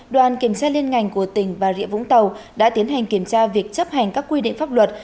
đoàn kiểm tra liên ngành của tỉnh bà rịa vũng tàu đã tiến hành kiểm tra việc chấp hành các quy định pháp luật